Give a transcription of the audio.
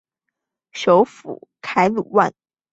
首府凯鲁万。